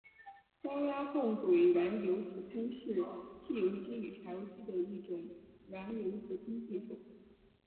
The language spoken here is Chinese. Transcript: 高压共轨燃油直喷是汽油机与柴油机的一种燃油直喷技术。